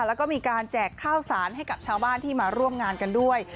แล้วก็มีการแจกข้าวสารให้กับชาวบ้านที่มาร่วมงานกันด้วย